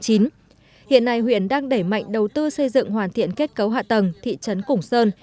hiện nay huyện đang đẩy mạnh đầu tư xây dựng hoàn thiện kết cấu hạ tầng thị trấn củng sơn